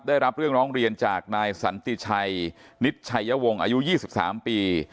ได้รับเรื่องร้องเรียนจากนายสันติชัยนิชชัยวงศ์อายุ๒๓ปี